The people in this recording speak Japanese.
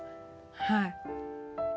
はい。